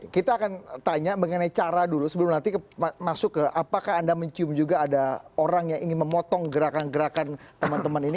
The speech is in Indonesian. kita akan tanya mengenai cara dulu sebelum nanti masuk ke apakah anda mencium juga ada orang yang ingin memotong gerakan gerakan teman teman ini